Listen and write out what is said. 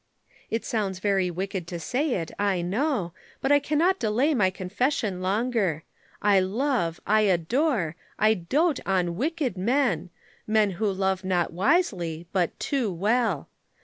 "It sounds very wicked to say it, I know, but I cannot delay my confession longer. I love, I adore, I doat on wicked men, men who love not wisely but too well.